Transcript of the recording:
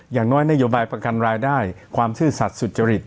อย่างน้อยนโยบายประกันรายได้ความซื่อสัตว์สุจริต